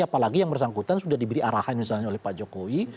apalagi yang bersangkutan sudah diberi arahan misalnya oleh pak jokowi